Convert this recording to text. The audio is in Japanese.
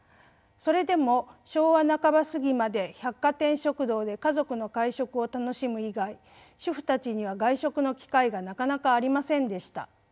それでも昭和半ば過ぎまで百貨店食堂で家族の会食を楽しむ以外主婦たちには外食の機会がなかなかありませんでした。